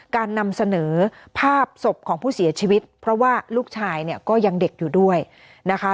การนำเสนอภาพศพของผู้เสียชีวิตเพราะว่าลูกชายเนี่ยก็ยังเด็กอยู่ด้วยนะคะ